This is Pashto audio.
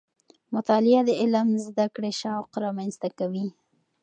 مطالعه د علم د زده کړې شوق رامنځته کوي.